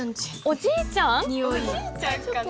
おじいちゃんちかな？